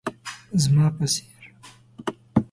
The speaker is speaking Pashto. زما په څير